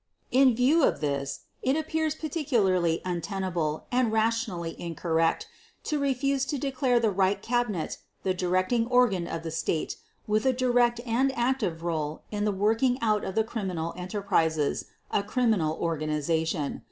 In view of this it appears particularly untenable and rationally incorrect to refuse to declare the Reich Cabinet the directing organ of the State with a direct and active role in the working out of the criminal enterprises, a criminal organization.